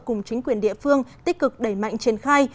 cùng chính quyền địa phương tích cực đẩy mạnh triển khai